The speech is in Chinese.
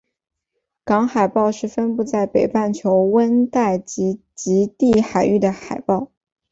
港海豹是分布在北半球温带及极地海域的海豹。